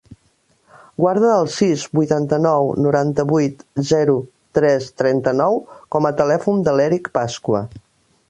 Guarda el sis, vuitanta-nou, noranta-vuit, zero, tres, trenta-nou com a telèfon de l'Èric Pascua.